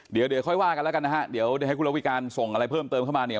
เดี๋ยวเดี๋ยวค่อยว่ากันแล้วกันนะฮะเดี๋ยวให้คุณระวิการส่งอะไรเพิ่มเติมเข้ามาเนี่ย